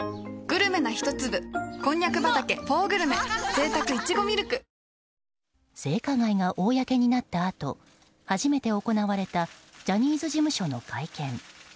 新発売「生茶リッチ」性加害が公になったあと初めて行われたジャニーズ事務所の会見。